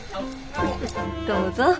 どうぞ。